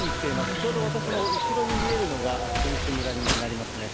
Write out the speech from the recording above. ちょうど私の後ろに見えるのが選手村になりますね。